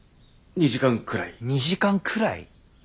２時間くらい？